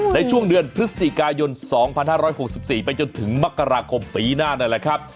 ในช่วงเดือนพฤศจิกายน๒๕๖๔ไปจนถึงมกราคมปีหน้านั่นแหละครับ